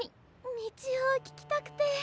道を聞きたくて。